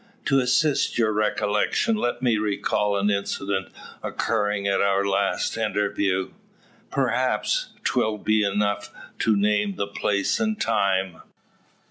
To assist your recollection, let me recall an incident occurring at our last interview. Perhaps 'twill be enough to name the place and time?